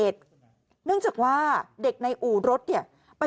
อ้อฟ้าอ้อฟ้าอ้อฟ้า